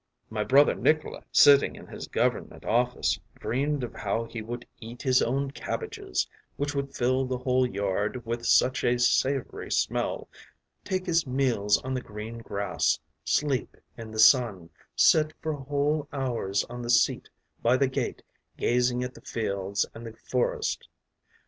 “My brother Nikolay, sitting in his government office, dreamed of how he would eat his own cabbages, which would fill the whole yard with such a savoury smell, take his meals on the green grass, sleep in the sun, sit for whole hours on the seat by the gate gazing at the fields and the forest.